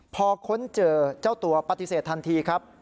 พอค้นเจอเจ้าตัวปฏิเสธทันทีครับ